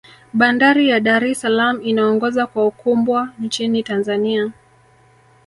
bandari ya dar es salaam inaongoza kwa ukumbwa nchini tanzania